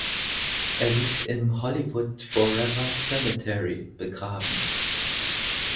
Er liegt im Hollywood Forever Cemetery begraben.